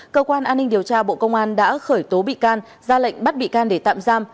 cơ quan an ninh điều tra bộ công an đã khởi tố bị can ra lệnh bắt bị can để tạm giam